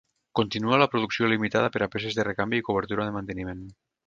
Continua la producció limitada per a peces de recanvi i cobertura de manteniment.